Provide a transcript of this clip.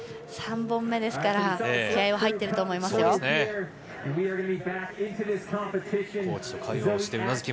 ３本目ですから気合いは入ってると思いますよ。